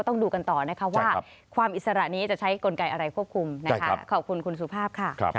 ต้องดูกันต่อนะคะว่าความอิสระนี้จะใช้กลไกอะไรควบคุมนะคะขอบคุณคุณสุภาพค่ะ